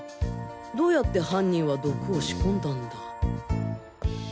どうやって犯人は毒を仕込んだんだ！？